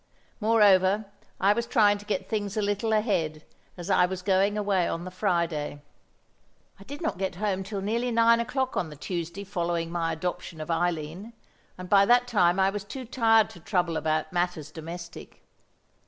Moreover, I was trying to get things a little ahead, as I was going away on the Friday. I did not get home till nearly nine o'clock on the Tuesday following my adoption of Eileen, and by that time I was too tired to trouble about matters domestic.